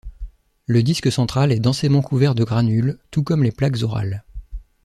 Le disque central est densément couvert de granules, tout comme les plaques orales.